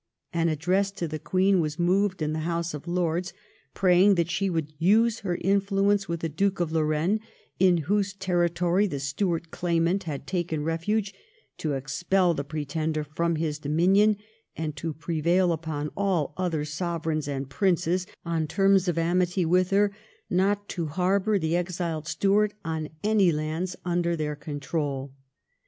An Address to the Queen was moved in the House of Lords praying that she would use her influence with the Duke of Lorraine, in whose territory the Stuart claimant had taken refuge, to expel the Pretender from his dominion, and to prevail upon all other Sovereigns and Princes on terms of amity with her not to harbour the exiled Stuart in any lands under their control.